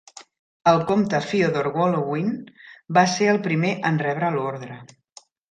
El compte Fyodor Golovin va ser el primer en rebre l'ordre.